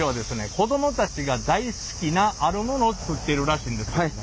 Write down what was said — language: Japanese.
子どもたちが大好きなあるモノを作ってるらしいんですけどね。